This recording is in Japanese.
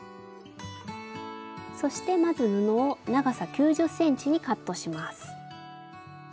そしてまず布を長さ９０ｃｍにカットします。